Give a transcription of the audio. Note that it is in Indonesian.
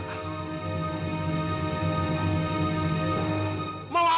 kami ingin membunuh riki